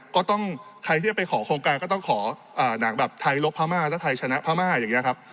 ก็ต้องใครที่จะไปขอโครงการก็ต้องขอหนังแบบไทยลบพม่าถ้าไทยชนะพม่าอย่างนี้ครับ